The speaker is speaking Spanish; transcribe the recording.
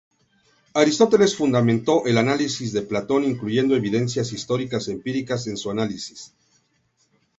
Aristóteles fundamentó el análisis de Platón incluyendo evidencias históricas empíricas en su análisis.